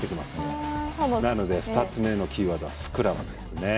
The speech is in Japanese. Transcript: なので２つ目のキーワードは「スクラム」ですね。